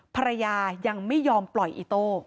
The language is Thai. ภรรยายังไม่ยอมปล่อยอิโต้